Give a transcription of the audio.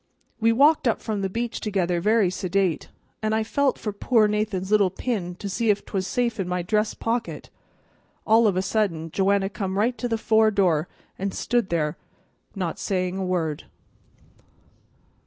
We walked up from the beach together very sedate, and I felt for poor Nathan's little pin to see if 'twas safe in my dress pocket. All of a sudden Joanna come right to the fore door and stood there, not sayin' a word."